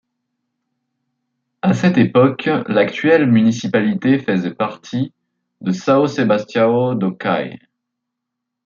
À cette époque, l'actuelle municipalité faisait partie de São Sebastião do Caí.